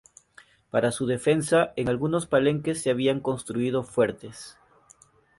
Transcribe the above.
Para su defensa, en algunos palenques se habían construido fuertes.